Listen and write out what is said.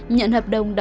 nhận hợp đồng đón